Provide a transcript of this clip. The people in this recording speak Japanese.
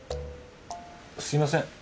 すみません。